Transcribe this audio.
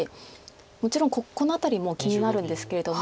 もちろんこの辺りも気になるんですけれども。